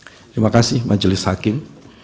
terima kasih majelis hakim